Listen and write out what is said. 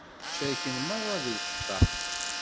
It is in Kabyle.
Cerken merra deg lfalṭa.